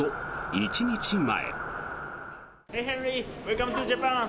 １日前。